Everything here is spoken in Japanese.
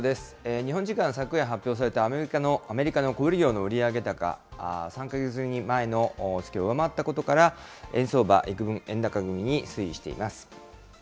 日本時間昨夜発表された、アメリカの小売り業の売上高、３か月前の月を上回ったことから、円相場、いくぶん円高気味に推移しています。